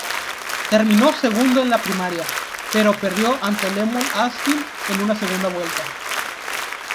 Terminó segundo en la primaria, pero perdió ante Lemuel Austin en una segunda vuelta.